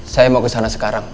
saya mau ke sana sekarang